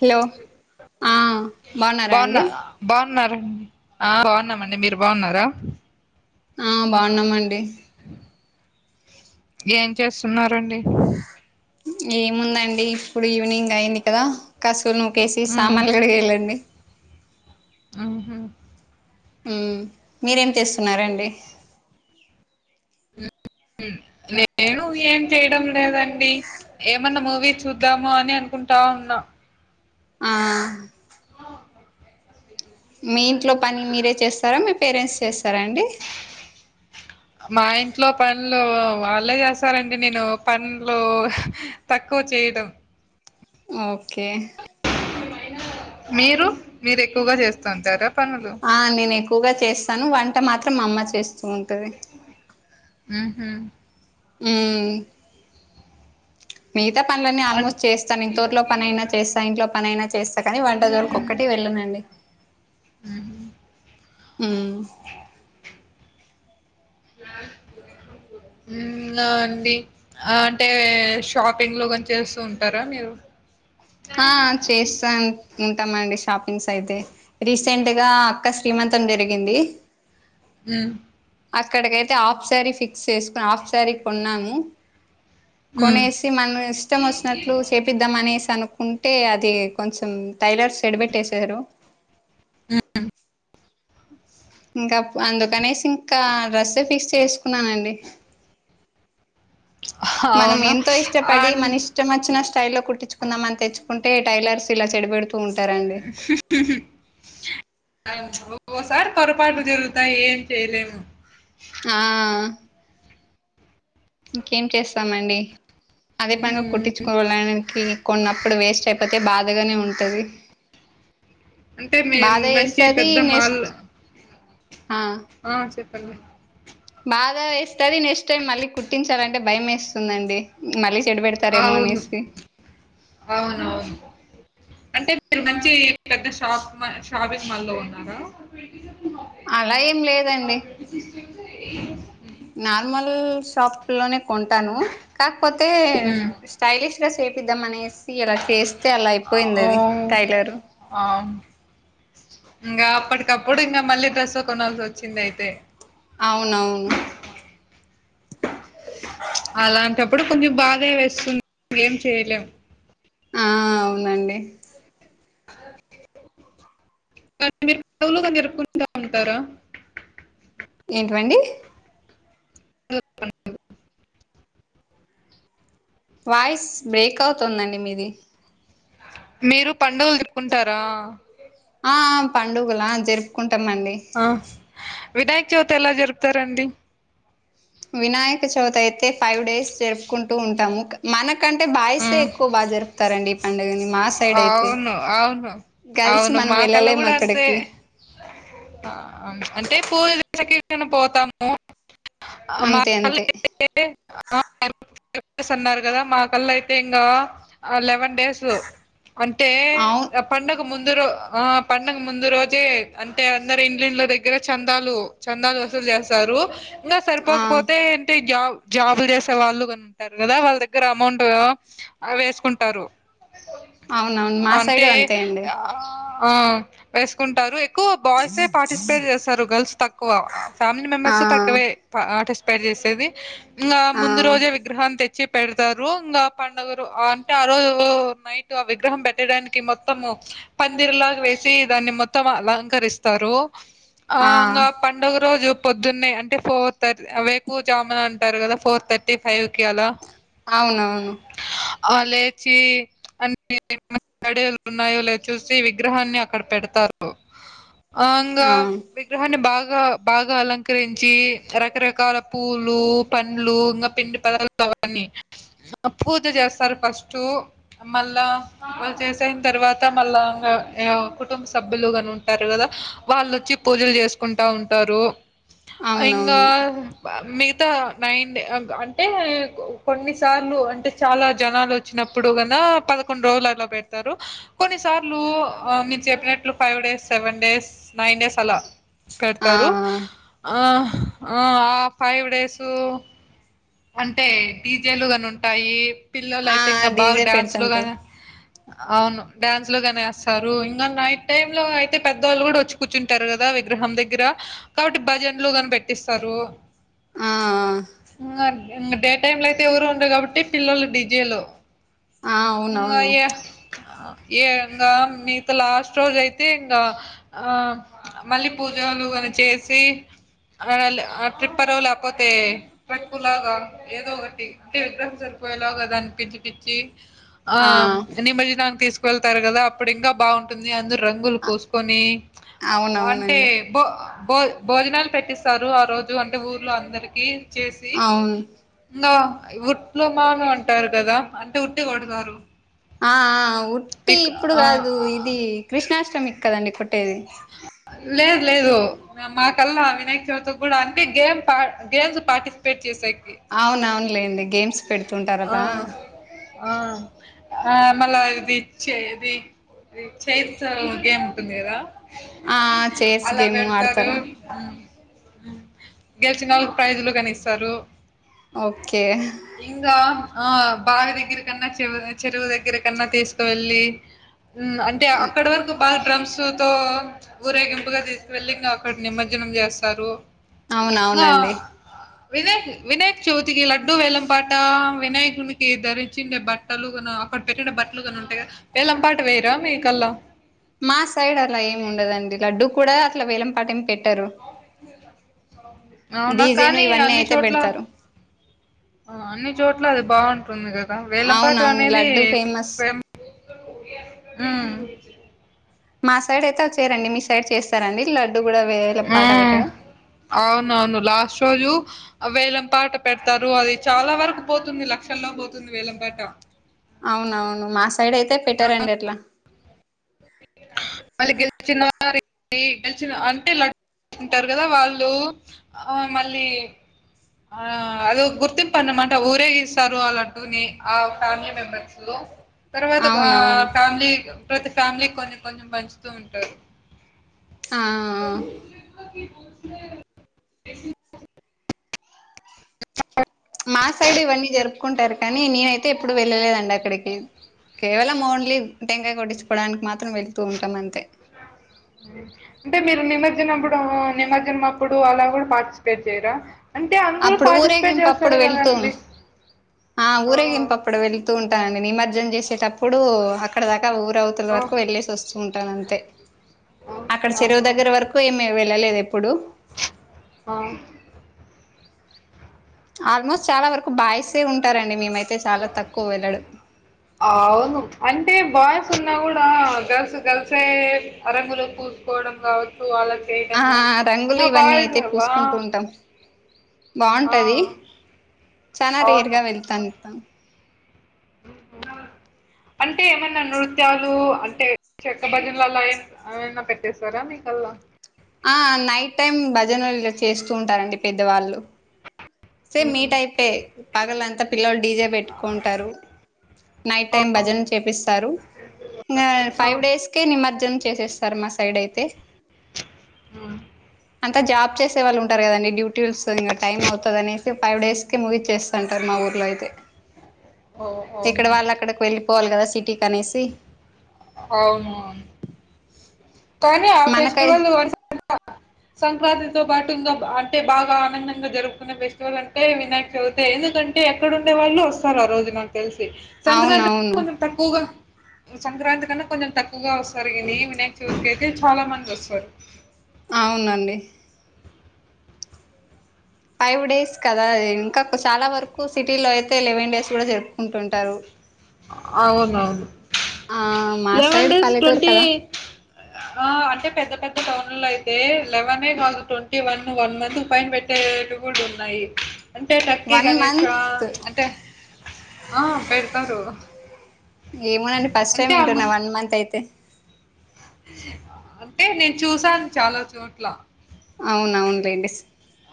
Hello ఆ బాగున్నారా అండి బాగున్నారం ఆ బాగున్నామండి మీరు బాగున్నారా. ఆ బాగున్నామండి. ఏం చేస్తున్నారండి. ఏముందండి ఇప్పుడు ఈవినింగ్ అయింది కదా కసువు నూకేసి ఉమ్ సామాన్లు కడిగి ఎళ్ళండి హ్మ్మ్ హ్మ్మ్ మీరేం చేసున్నారండి నేను ఏం చేయడం లేదండి. ఏమన్నా మూవీ చూద్దాము అని అనుకుంటా ఉన్నా. ఆ మీ ఇంట్లో పని మీరే చేస్తారా మీ పేరెంట్స్ చేస్తారా అండి. మా ఇంట్లో పన్లు వాళ్ళే చేసారండి నేను పన్లు తక్కువ చేయడం. ఓకే మీరు మీరు ఎక్కువగా చేస్తుంటారా పనులు. ఆ నేను ఎక్కువగా చేస్తాను వంట మాత్రం మా అమ్మ చేస్తూ ఉంటది. హ్మ్మ్ హ్మ్మ్ మిగతా పనులన్నీ అన్ ఆల్మోస్ట్ చేస్తాను ఇ తోటలో పనైనా చేస్తా ఇంట్లో పనైనా చేస్తా కానీ వంట జోలికి ఒకటే వెళ్ళనండి ఉహు హ్మ్మ్ ఇంగా అండి ఆ అంటే షాపింగ్ లో కొని చేస్తూ ఉంటారా మీరు‌. ఆ చేస్తా ఉంటామండి షాపింగ్స్ అయితే రీసెంట్ గా అక్కు శ్రీమంతం జరిగింది. హ్మ్మ్ అక్కడికైతే హాఫ్ సారీ ఫిక్స్ చేసుకుని ఆఫ్ సారీ కొన్నాను. హ్మ్. కొనేసి మన ఇష్టం వచ్చినట్లు చేపిద్దాం అనేసి అను ఉంటే అది కొంచెం టైలర్స్ చెడబెట్టేసారు ఇంకా అప్ అందుకనేసి ఇంకా అ డ్రస్సే ఫిక్స్ చేసుకున్నానండి మనం అవును. ఎంతో ఇష్టపడి అండ్ మనిష్ ఇష్టం వచ్చిన స్టైల్లో కుట్టించుకుందామని తెచ్చుకుంటే టైలర్స్ ఇలా చెడి పెడుతూ ఉంటారండి ఫిఫ్టీ ఫె ఆమ్ ఓకోసారి పొరపాట్లు జరుగుతాయి ఏం చేయలేము ఆ ఇంకేం చేస్తామండి అదే పనిగా హ్మ్. కుట్టించు కోల్లైనికి కొన్నప్పుడు వేస్ట్ అయిపోతే బాధగానే ఉంటుంది అంటే టది మేం బాధ మంచి ఏస్తది పెద్ద మాల్ నెక్స్ట్ ఆ ఆ చెప్పండి బాధ వేస్తుంది నెక్స్ట్ టైమ్ మళ్ళీ కుట్టించాలంటే భయం వేస్తుందిండి మళ్ళీ చెడ పెడుతు తరేమో అవును. అనేసి అవునవును అంటే మీరు మంచి పెద్ద షాప్ షాపింగ్ మాల్లో ఉన్నారా అలా ఏం లేదండి సిస్టమ్స్ ఏ ఇమ్సో నార్మల్ షాప్ లోనే కొంటాను కాకపోతే హ్మ్. స్టైలిష్ గా సేపిద్దాం అనేసి ఇలా చేస్తే అలా అయిపోయింది అది ఓహ్! టైలరు ఆ ఇంకా అప్పటికప్పుడు ఇంకా మళ్ళీ డ్రెస్ కొనాల్సి వచ్చింది అయితే అవునవును అలాంటప్పుడు కొంచెం బాధే వేస్తుంది ఏం చేయలేం ఆ అవునండి అ కానీ మీరు పలుగా నేరుపుకుంటా ఉంటారా ఏంటివండి వాయిస్ బ్రేక్ అవుతుందండి మీది మీరు పండుగలు జరుపుకుంటారా ఆ పండుగలా జరుపుకుంటామండి ఆ వినాయక్ చవితి ఎలా జరుపుతారండి వినాయక చవిత అయితే ఫైవ్ డేస్ జరుపుకుంటూ ఉంటాము క మనకంటే బైసే ఉమ్ ఎక్కువ బాగా జరుపుతారండి ఈ పండుగని మా సైడ్ అయితే అవును అవును గర్ల్స్ అవును మనం మా కల్ల వెళ్ళలేము కూడా అంతే అక్కడికి ఆ అంటే పోయే సెకండ్ కన్నా పోతాం ఆ మా అంతే వాళ్ళు అంతే ఏ ఆరు డస్ అన్నారు కదా మా కల్లా అయితే ఇంగా లెవెన్ డేస్ అంతే అవును అప్ పండగ ముందు రో ఆ పండగ ముందు రోజే అంటే అందరు ఇండ్లిండ్ల దగ్గర చందాలు చందాలు వసూలు చేస్తారు ఇంగా ఆ సరిపోకపోతే ఏంటే జ జాబులు చేసే వాళ్ళుగాని ఉంటారు కదా వాళ్ళ దగ్గర అమౌంట్ ఆ వేసుకుంటారు అవునవును మా సైడు అంటే అంతే అండి ఆ వేసుకుంటారు ఎక్కువ బాయ్సే పార్టిసిపేట్ చేస్తారు గర్ల్స్ తక్కువ ఫ్యామిలీ ఆ మెంబర్స్ తక్కువే ప పార్టిసిపేట్ చేసేది ఇంకా ఆ ముందు రోజే విగ్రహం తెచ్చ వచ్చి పెడతారు ఇంకా పండుగరు అంటే ఆ రోజు నైట్ ఆ విగ్రహం పెట్టడానికి మొత్తము పందిర్లాగా వేసి దాన్ని మొత్తం అలంకరిస్తారు ఆ గా పండుగ రోజు పొద్దున్న అంటే ఫోర్ థర్టీ అవేకు జామున అంటారు కదా ఫోర్ థర్ ర్టీ ఫైవ్ కి అల అవునవును అ లేచి డన్నాయో లేద్ చూసి విగ్రహాన్ని అక్కడ పెడతారు అంగా ఆ విగ్రహాన్ని బాగా బాగా అలంకరించి రకరకాల పూలు పండ్లు ఇంగ పిండి తరు అవన్నీ పూజ చేస్తారు ఫస్ట్ మళ్ళ వాళ్ళు చేసిన తర్వాత మళ్ళా కుటుంబ సభ్యులుగాని ఉంటారు కదా వాళ్ళుొచ్చి పూజలు చేసుకుంటా ఉంటారు ఇంగ అవునవును మిగతా నైన్ అంటే కొన్నిసార్లు అంటే చాలా జనాలు వచ్చినప్పుడు గినా పదకొండు రోజులు అలా పెడతారు కొన్ని సార్లు మీరు చెప్పినట్లు five days seven days nine days అలా ఆ పెడతారు ఆ ఆ ఫైవ్ డేస్ అంటే డీజేలని ఉంటాయి పిల్లలు ఆ అయితే ఇంగ బాగా డీజే డ్యాన్స్ [inaudible] అవును డ్యాన్స్ లోగని ఎస్తారు ఇంగ నైట్ టైమ్ లో అయితే పెద్దవాళ్ళు కూడా వచ్ కూర్చుంటారు కదా విగ్రహం దగ్గర కాబట్టి భజన్లుగాని పెట్టిస్తారు ఆ ఇంగ డే టైమ్ లో అయితే ఎవరు ఉండరు కాబట్టి పిల్లలు డిజేలు ఆ ఇంగ అవునవును ఈ ఏందో మిగతా లాస్ట్ రోజు అయితే ఇంగ ఆ మళ్ళీ పూజలుగాని చేసి ఆ ల్ ఆ ట్రిప్పరు లేకపోతే ట్రక్కులాగా ఏదో ఒకటి అంటే విగ్రహం సరిపోయేలాగా దాన్ని పిచి పిచ్చి ఆ నిమ్మజినానికి తీసుకువెళ్తారు కదా అప్పుడు ఇంకా బాగుంటుంది అందరు రంగులు ఆ పోసుకొని అ అంటే అవునవునండి భో భో భోజనాలు పెట్టిస్తారు ఆ రోజు అంటే ఊర్లు అందరికి చేసి మ్ గా ఉట్లు మాను అంటారు కదా అంటే ఉట్టి కొడతారు ఆ ఆ ఉట్టి మీకు ఇప్పుడు కాదు ఆ ఇది కృష్ణాష్ట్రమికి కదండి కొట్టేది లేదు లేదు మా కల్లా అ వినాయక చవితికి కూడా అన్ని గేమ్ గేమ్స్ పార్టిసిపేట్ చేసేకి అవున అవునులేండి గేమ్స్ పెడుతుంటారు అలా ఆ ఆ మళ్ళీ ఇచేది అది చెత్తో గేమ్ ఉంటది కదా ఆ చేర్స్ అలా గేమ్ పెడతారు ఆడతారా గెలిచినవాళ్లకు ప్రైజులు కని ఇస్తారు ఓకే ఇంగ ఆ భవి దగ్గర కన్నా చె చెరువు దగ్గర కన్నా తీసుకువెళ్ళి మ్ అంటే అక్కడివరకు డ్రమ్స్ తో ఊరేగింపుగా తీసుకువెళ్లి అక్కడ నిమజ్జనం చేస్తారు అవునవునండి వినాయక్ వినాయక్ చవితికి లడ్డు వేలం పాట్ త వినాయకునికి ధరించండే బట్టలు గిన అక్కడ పెట్టిన బట్టలు గిన ఉంటాయి కదా వేలం పాట వేయరా మీ కల్లా? మా సైడ్ అలా ఏం ఉండదండి, లడ్డూ కూడా అట్ల వేలం పాట ఏమి పెట్టరు. అవునా డీజేను కానీ ఇవన్నీ అన్ని అయితే చోట్ల, పెడతారు ఆ అన్ని చోట్ల అది బాగుంటుంది కద్ ద వేలం పాట అవునవును అనేది లడ్డు ఫేమస్ ఉమ్ మా సైడ్ అయితే చేయరండి, మీ సైడ్ చేస్తరండి లడ్డు గుడ వేలం పాట హ్మ్. పెట్టడం. అవునవును లాస్ట్ రోజు వేలం పాట పెడతారు, అది చాలా వరకు పోతుంది, లక్షల్లో పోతుంది వేలం పాట. అవునవును మా సైడ్ అయితే ఆ! పెట్టరండి అట్లా. మళ్ళీ గెలిచిన వారికి గెలిచిన అంటే లడ్ ఉంటారు కదా వాళ్ళు, ఆ మళ్ళీ ఆ అదొ గుర్తింపు అన్నమాట ఊరేగిస్తారు, ఆ లడ్డునీ ఆ ఫ్యామిలీ మెంబర్స్. తర్వాత ఆ అవునవును ఫ్యామిలీ ప్రతి ఫ్యామిలీ కొన్ని కొంచెం పంచుతూ ఉంటారు. ఆ పలే [unintelligible] మా సైడు ఇవన్నీ జరుపుకుంటారు కానీ, నేనైతే ఎప్పుడు వెళ్ళలేదండి అక్కడికి. కేవలం ఓన్లీ టెంకాయ కొట్టించుకోవడానికి మాత్రం వెళ్తూ ఉంటాం అంతే. అంటే మీరు నిమజ్జనంప్పుడు నిమజ్జనం అప్పుడు అలా గుడా పార్టిసిపేట్ చేయరా? అంటే అందరూ అప్పుడు పార్టిసిపేట్ ఊరేగింపప్పుడు చేస్తారు వెళ్తూ కదండి. ఆ ఊరేగింపు అప్పుడు వెళ్తూ ఉంటానండి, నిమజ్జనం చేసేటప్పుడు అక్కడ దాకా ఊరవుత్ టి ఆ, వరకు వెళ్ళేసి వస్తూ ఉంటాను అంతే. ఆ, అక్కడ చెరువు ఆ, దగ్గర వరకు ఏమి వెళ్ళలేదు ఎప్పుడు. ఆ ఆల్మోస్ట్ చాలా వరకు బాయిసే ఉంటారండి, మేమైతే చాలా తక్కువ వెళ్ళడం. అవును అంటే బాయ్స్ ఉన్నా గుడా గర్ల్స్ గర్ల్సీ అ రంగులు పూసుకోవడం కావచ్ ఆ రంగులు ఇవన్నీ బాయ్స్ అయితే వా పూసుకుంటూ ఉంటాం. ఆ, బాగుంటది, చానా అవును రేర్గా వెళ్తాను. [inaudible] అంటే ఏమన్నా నృత్యాలు అంటే చెక్క భజనలు అలా ఏం ఆయన్న పెట్టేేశారా మీకల్లా? ఆ నైట్ టైమ్ భజనలు చేస్తూ ఉంటారండి పెద్దవాళ్ళు. సేమ్ మీ మ్మ్. టైపే పగలంతా పిల్లలు డీజే పెట్టుకుంటారు. నైట్ ఆ, టైం భజనలు చేపిస్తారు. నా ఆ, ఫైవ్ డేస్కే నిమజ్జనం చేసేస్తారు మా సైడ్ అయితే. ఆ త జాబ్ చేసే వాళ్ళుంటారు కదండి, డ్యూటీ వస్తుంగా టైం అవుతూ అనేసి ఫైవ్ డేస్ కి మూవీ చేస్తాంటరు కదా మా ఊర్లో అయితే. ఓ ఇక్కడ అవునా వాళ్ళు అక్కడికి వెళ్ళిపోవాలి కదా సిటీ కనేసి. అవును, కానీ ఆ మనకై ఫెస్టివలు [unintelligible] సంక్రాంతితో పాటు ఇంకా అంటే బాగా ఆనందంగా జరుపుకునే ఫెస్టివల్ అంటే వినాయక్ చవితే ఎందుకంటే ఎక్కడుండే వాళ్ళు వస్తారు ఆ రోజు నాకు తెలిసి, సంక్రాంతి అవునవును కొంచెం తక్కువగా సంక్రాంతి కన్నా కొంచెం తక్కువగా వస్తారు గని, వినాయక చవితి అయితే చాలా మంది వస్తారు. అవునండి ఫైవ్ డేస్ కదా ఇంకాకు చాలా వరకు సిటీలో అయితే లెవెన్ డేస్ కూడా జరుపుకుంటుంటారు [inaudible] అవునవును ఆ మా లెవెన్ సైడ్ డేస్ పల్లెటూరు టొంటీ కదా ఆ అంటే పెద్ద పెద్ద టౌన్లుల్లో అయితే లెవెనే కాదు ట్వంటీ వన్ వన్ మంతుకు పైన పెట్టు తేలు కూడున్నాయి అంటే టక్కిీ వన్ గణేశా మంత్ అంటే ఆ పెడతారు ఏమోనండి ఫస్ట్ టైమ్ అంటే వింటున్నా అమ్మ- వన్ మంత్ అయితే అంటే నేను చూసాను చాలా చోట్ల అవునవును లేండి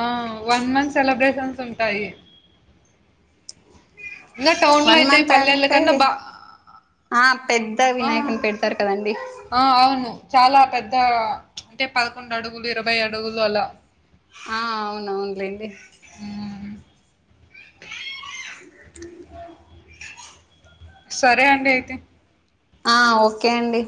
ఆ వన్ మంత్ సెలబ్రేషన్స్ ఉంటాయి ఇంకా టౌన్లో వన్ అయితే మంత్ పల్లెల అంటే కన్నా బా ఆ పెద్ద ఆ, వినాయకుని పెడతారు కదండి ఆ అవును చాలా పెద్ద అంటే పదకొండు అడుగులు ఇరవై అడుగులు అలా ఆ అవునువును లేండి ఉమ్, సరే అండి అయితే ఆ ఓకే అండి